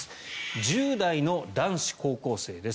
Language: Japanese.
１０代の男子高校生です。